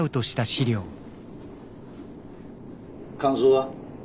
感想は？